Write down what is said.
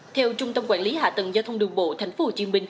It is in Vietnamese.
theo trung tâm quản lý hạ tầng giao thông đường bộ tp hcm